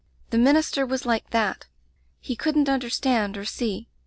The minister was like that. He couldn't understand or see.